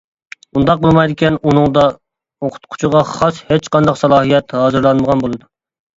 ئۇنداق بولمايدىكەن ئۇنىڭدا ئوقۇتقۇچىغا خاس ھېچقانداق سالاھىيەت ھازىرلانمىغان بولىدۇ.